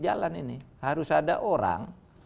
jalan ini harus ada orang